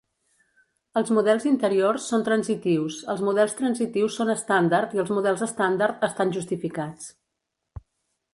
Els models interiors són transitius, els models transitius són estàndard i els models estàndard estan justificats.